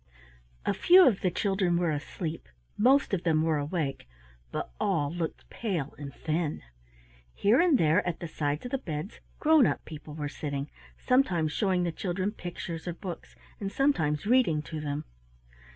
A few of the children were asleep, most of them were awake, but all looked pale and thin. Here and there at the sides of the beds grown up people were sitting, sometimes showing the children pictures or books, and sometimes reading to them.